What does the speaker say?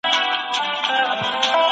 په اسلام کي د علم مقام لوړ دی.